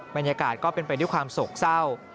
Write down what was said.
บรรยากาศก็เป็นไปด้วยความโศกเศร้า